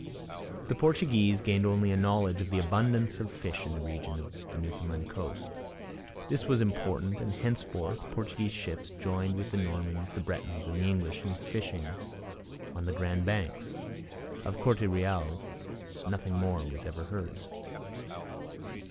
The Portuguese gained only a knowledge of the abundance of fish in the region of the Newfoundland coast. This was important, and henceforth Portuguese ships joined with the Normans, the Bretons, and the English in fishing on the Grand Banks. Of the Corte Reals nothing more was ever heard.